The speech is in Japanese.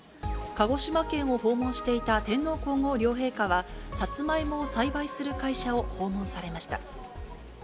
鹿児島県を訪問していた天皇皇后両陛下は、さつまいもを栽培する会社を訪問されました。